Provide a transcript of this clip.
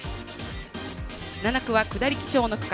７区は下り基調の区間。